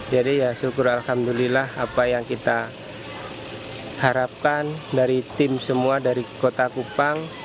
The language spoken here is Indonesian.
jadi ya syukur alhamdulillah apa yang kita harapkan dari tim semua dari kota kupang